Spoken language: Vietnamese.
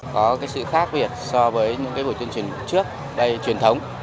có cái sự khác biệt so với những cái buổi tuyên truyền trước đây truyền thống